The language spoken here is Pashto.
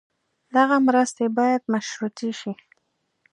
دغه مرستې باید مشروطې شي.